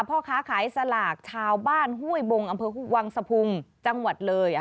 พ่อค้าขายสลากชาวบ้านห้วยบงอำเภอวังสะพุงจังหวัดเลย